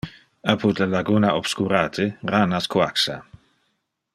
Apud le laguna obscurate ranas coaxa.